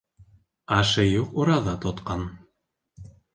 Ашы юҡ ураҙа тотҡан